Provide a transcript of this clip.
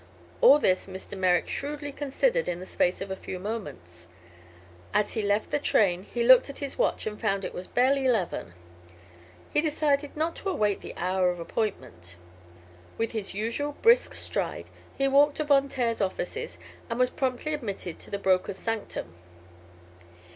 All this Mr. Merrick shrewdly considered in the space of a few moments. As he left the train he looked at his watch and found it was barely eleven. He decided not to await the hour of appointment. With his usual brisk stride he walked to Von Taer's offices and was promptly admitted to the broker's sanctum.